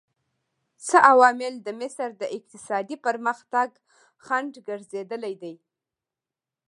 څه عوامل د مصر د اقتصادي پرمختګ خنډ ګرځېدلي دي؟